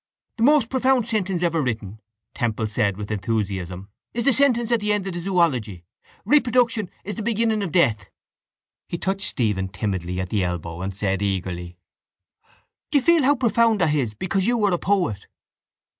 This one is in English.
—The most profound sentence ever written, Temple said with enthusiasm, is the sentence at the end of the zoology. Reproduction is the beginning of death. He touched Stephen timidly at the elbow and said eagerly: —Do you feel how profound that is because you are a poet?